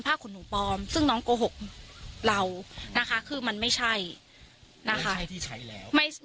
ผ้าขนหนูปลอมซึ่งน้องโกหกเรานะคะคือมันไม่ใช่นะคะไม่ใช่ที่ใช้แล้ว